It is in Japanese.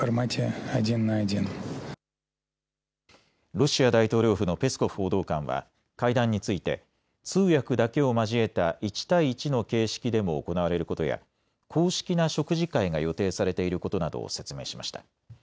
ロシア大統領府のペスコフ報道官は会談について通訳だけを交えた１対１の形式でも行われることや公式な食事会が予定されていることなどを説明しました。